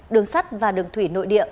đường sắt và đường thủy nội địa